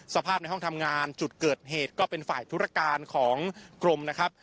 สภาพในห้องทำงานจุดเกิดเหตุก็เป็นฝ่ายธุรการของกรมนะครับ